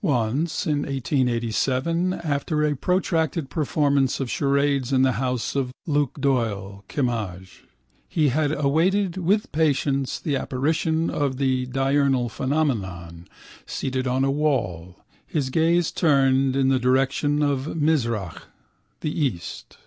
Once, in 1887, after a protracted performance of charades in the house of Luke Doyle, Kimmage, he had awaited with patience the apparition of the diurnal phenomenon, seated on a wall, his gaze turned in the direction of Mizrach, the east.